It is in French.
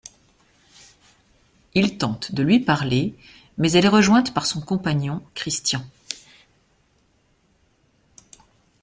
Il tente de lui parler, mais elle est rejointe par son compagnon, Christian.